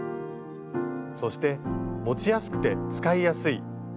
そして持ちやすくて使いやすい。